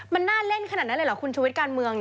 มันน่าเล่นขนาดนั้นเลยเหรอคุณชุวิตการเมือง